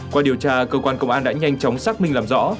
qua điều tra cơ quan công an đã nhanh chóng xác minh làm rõ